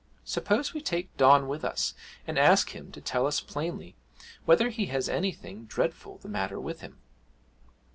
Suppose we take Don with us and ask him to tell us plainly whether he has anything dreadful the matter with him?'